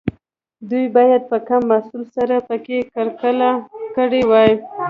دوی باید په کم محصول سره پکې کرکیله کړې وای.